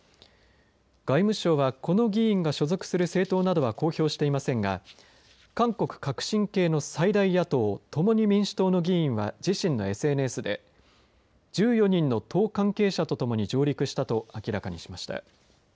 外務省はこの議員が所属する政党などは公表していませんが韓国・革新系の最大野党共に民主党の議員は自身のＳＮＳで１４人の党関係者と共に上陸したと明らかにしました。